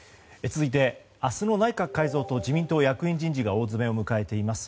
続いて明日の内閣改造と自民党役員人事が大詰めを迎えています。